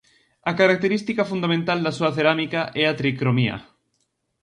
A característica fundamental da súa cerámica é a tricromía.